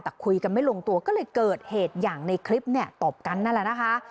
แต่คุยกันไม่ลงตัวก็เลยเกิดเหตุอย่างในคลิปเนี่ยตบกันนั่นแหละนะคะ